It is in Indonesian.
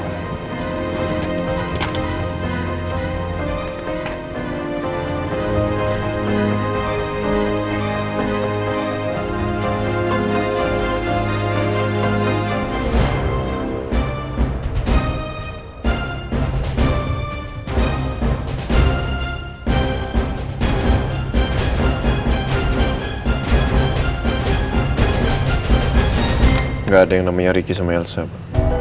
tidak ada yang namanya ricky smael siapa